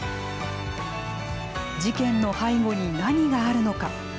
事件の背後に何があるのか。